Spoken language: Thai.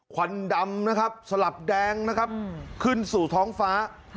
ขวันดำสลับแดงนะครับขึ้นสู่ท้องฟ้า